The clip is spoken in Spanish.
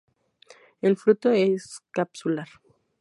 El fruto es capsular.